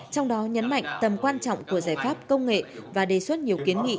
trong đó nhấn mạnh tầm quan trọng của giải pháp công nghệ và đề xuất nhiều kiến nghị